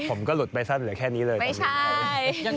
ผมก็หลุดไปสั้นหรือแค่นี้เลย